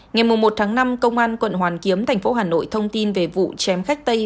ngày một tháng năm công an quận hoàn kiếm thành phố hà nội thông tin về vụ chém khách tây